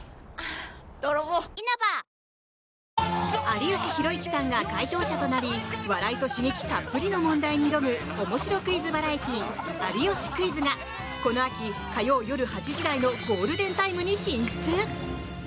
有吉弘行さんが解答者となり笑いと刺激たっぷりの問題に挑む面白クイズバラエティー「有吉クイズ」がこの秋、火曜夜８時台のゴールデンタイムに進出。